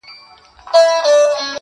• راځه د ژوند په چل دي پوه کړمه زه.